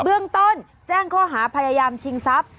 เบื้องต้นแจ้งข้อหาพยายามชิงทรัพย์